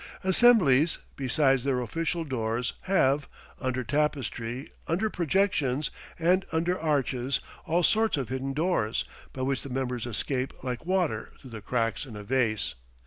Assemblies, besides their official doors, have under tapestry, under projections, and under arches all sorts of hidden doors, by which the members escape like water through the cracks in a vase.